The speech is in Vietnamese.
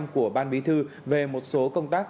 của ban bí thư về một số công tác